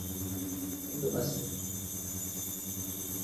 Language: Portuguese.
Pindobaçu